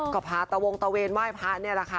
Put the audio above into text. ก็พาตะวงตะเวนไหว้พระนี่แหละค่ะ